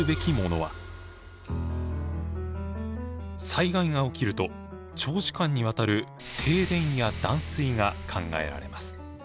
災害が起きると長時間にわたる停電や断水が考えられます。